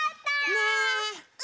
ねえ。